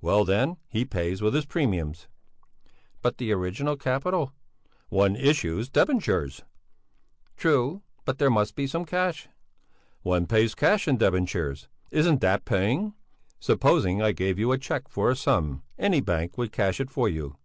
Well then, he pays with his premiums." "But the original capital?" "One issues debentures!" "True, but there must be some cash!" "One pays cash in debentures! Isn't that paying? Supposing I gave you a cheque for a sum, any bank would cash it for you.